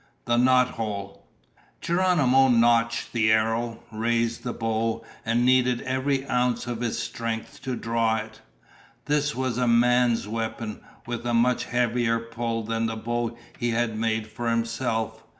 "The knothole." Geronimo nocked the arrow, raised the bow, and needed every ounce of his strength to draw it. This was a man's weapon, with a much heavier pull than the bow he had made for himself.